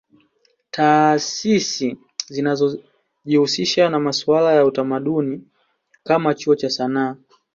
Taasisi zinazojihusisha na masuala ya utamadni kama Chuo cha Sanaa